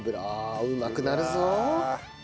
ああうまくなるぞ！